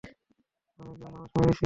আমি একজন মানুষ মেরেছি।